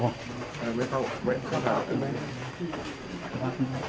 รอบ